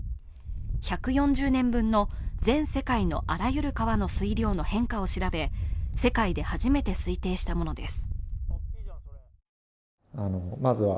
１４０年分の全世界のあらゆる川の水量の変化を調べ、世界で初めて推定したものです。